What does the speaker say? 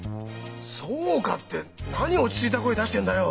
「そうか」って何落ち着いた声出してんだよ！